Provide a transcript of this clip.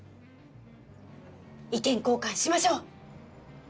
意見交換しましょう！